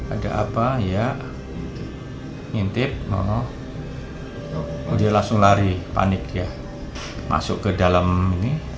ada apa ya ngintip dia langsung lari panik ya masuk ke dalam ini